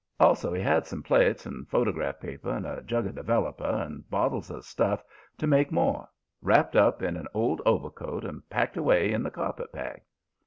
Also he had some plates and photograph paper and a jug of 'developer' and bottles of stuff to make more, wrapped up in an old overcoat and packed away in the carpetbag.